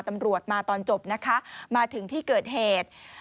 ตำรวจมาตอนจบนะคะมาถึงที่เกิดเหตุ